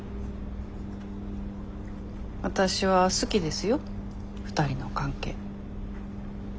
わたしは好きですよ２人の関係。